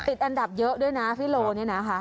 ติดอันดับเยอะด้วยนะพี่โลเนี่ยนะคะ